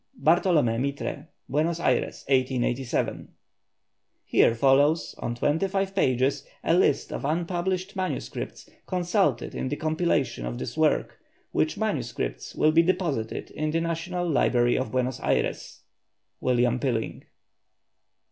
BARTOLOMÉ MITRE. BUENOS AYRES, 1887. Here follows, on 25 pages, a list of unpublished manuscripts consulted in the compilation of this work, which manuscripts will be deposited in the National Library of Buenos Ayres. WILLIAM PILLING.